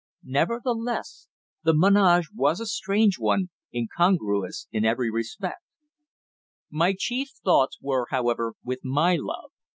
Nevertheless, the ménage was a strange one, incongruous in every respect. My chief thoughts were, however, with my love.